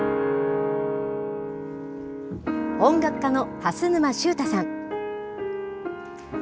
音楽家の蓮沼執太さん。